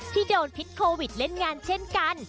ที่โดนพิษโควิดเล่นงานเช่นกัน